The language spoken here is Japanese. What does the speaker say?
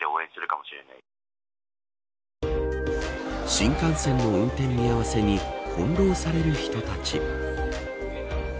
新幹線の運転見合わせに翻弄される人たち。